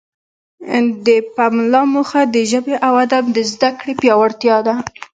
د پملا موخه د ژبې او ادب د زده کړې پیاوړتیا ده.